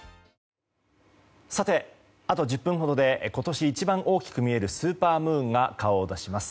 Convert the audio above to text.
さて、あと１０分ほどで今年一番大きく見えるスーパームーンが顔を出します。